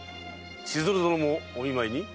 千鶴殿もお見舞いに？